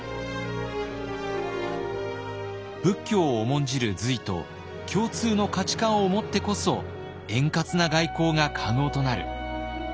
仏教を重んじる隋と共通の価値観を持ってこそ円滑な外交が可能となる。